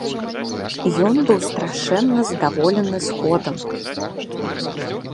Ён быў страшэнна здаволены сходам.